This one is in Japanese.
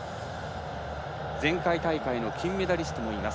前回大会の金メダリストもいます。